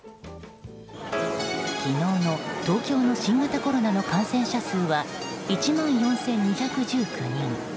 昨日の東京の新型コロナの感染者数は１万４２１９人。